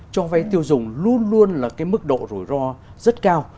cho vay tiêu dùng luôn luôn là cái mức độ rủi ro rất cao